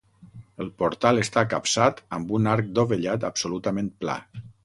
El portal està capçat amb un arc dovellat absolutament pla.